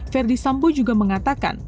verdi sambong juga mengatakan